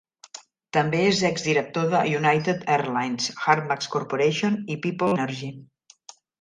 També és exdirector de United Airlines, Hartmarx Corporation i Peoples Energy.